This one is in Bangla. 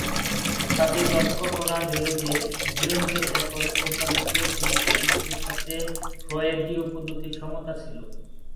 তাতে লক্ষ্য করা গেল যে, গিরীন্দ্রশেখর-উদ্ভাবিত চিকিৎসা পদ্ধতির সাথে ফ্রয়েডীয়-পদ্ধতির সমতা ছিল।